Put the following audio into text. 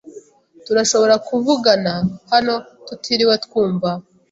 Turashobora kuvugana hano tutiriwe twumva.